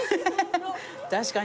確かに。